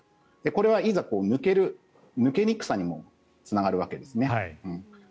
これはいざ抜ける抜けにくさにもつながるわけですね。